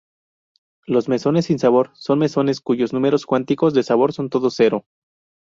Los mesones sin sabor son mesones cuyos números cuánticos de sabor son todos cero.